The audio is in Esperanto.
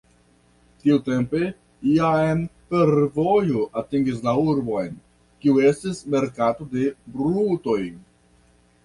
Tiutempe jam fervojo atingis la urbon, kiu estis merkato de brutoj.